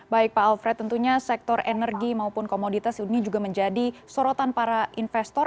baik pak alfred tentunya sektor energi maupun komoditas ini juga menjadi sorotan para investor